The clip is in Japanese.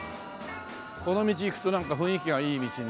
この道行くとなんか雰囲気がいい道に確か。